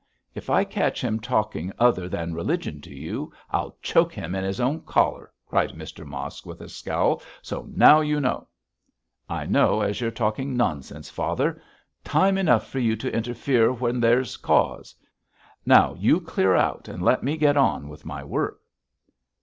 'If I catch him talking other than religion to you I'll choke him in his own collar,' cried Mr Mosk, with a scowl; 'so now you know.' 'I know as you're talking nonsense, father. Time enough for you to interfere when there's cause. Now you clear out and let me get on with my work.'